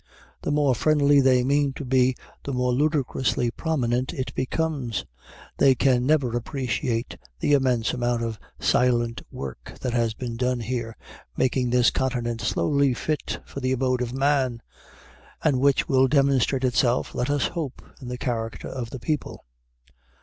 The more friendly they mean to be the more ludicrously prominent it becomes. They can never appreciate the immense amount of silent work that has been done here, making this continent slowly fit for the abode of man, and which will demonstrate itself, let us hope, in the character of the people.